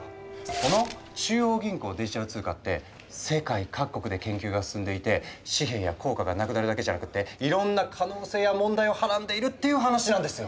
この中央銀行デジタル通貨って世界各国で研究が進んでいて紙幣や硬貨がなくなるだけじゃなくっていろんな可能性や問題をはらんでいるっていう話なんですよ。